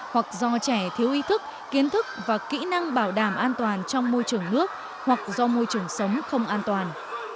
hoặc do trẻ thiếu ý thức kiến thức và kỹ năng bảo đảm an toàn trong môi trường nước hoặc do môi trường sống không an toàn